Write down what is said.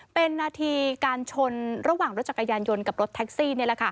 เป็นนาทีการชนระหว่างรถจักรยานยนต์กับรถแท็กซี่นี่แหละค่ะ